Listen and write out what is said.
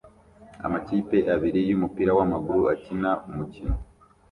Amakipe abiri yumupira wamaguru akina umukino